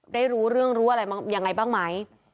รู้เรื่องรู้อะไรยังไงบ้างไหม